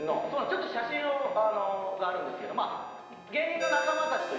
ちょっと写真があるんですけど。